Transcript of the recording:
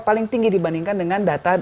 paling tinggi dibandingkan dengan data